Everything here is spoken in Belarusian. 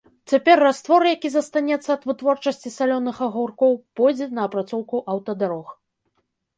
Цяпер раствор, які застаецца ад вытворчасці салёных агуркоў, пойдзе на апрацоўку аўтадарог.